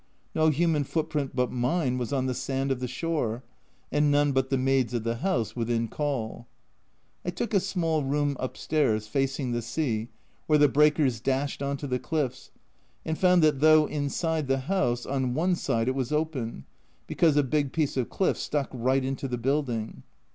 No human foot print but mine was on the sand of the shore, and none but the maids of the house within call. I took a small room upstairs, facing the sea, where the breakers dashed on to the cliffs, and found that though inside the house, on one side it was open, because a big piece of cliff stuck right into the building.